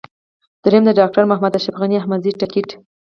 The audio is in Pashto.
درېم: د ډاکټر محمد اشرف غني احمدزي ټکټ.